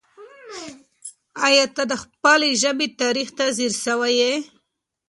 آیا ته د خپلې ژبې تاریخ ته ځیر سوی یې؟